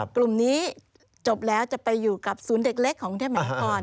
กลุ่มนี้จบแล้วจะไปอยู่กับศูนย์เด็กเล็กของกรุงเทพมหานคร